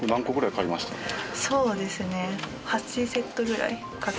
そうですね。